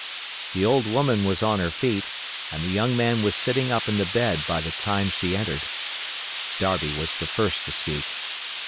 The old woman was on her feet, and the young man was sitting up in the bed, by the time she entered. Darby was the first to speak.